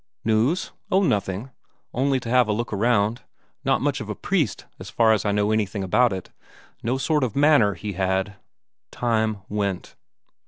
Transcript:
"News? Oh, nothing. Only to have a look round. Not much of a priest, as far as I know anything about it; no sort of manner, he had." Time went.